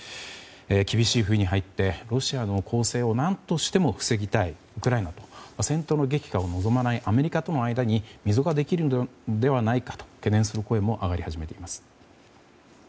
厳しい冬に入ってロシアの攻勢を何としても防ぎたいウクライナと戦闘の激化を望まないアメリカとの間に溝ができるのではないかと懸念する声も上がり始めています。